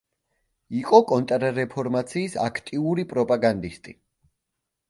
იყო კონტრრეფორმაციის აქტიური პროპაგანდისტი.